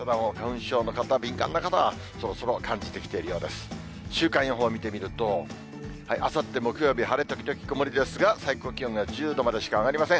週間予報を見てみると、あさって木曜日、晴れ時々曇りですが、最高気温が１０度までしか上がりません。